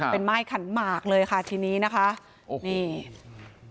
เป็นม่ายขันหมากเลยค่ะทีนี้นะคะนี่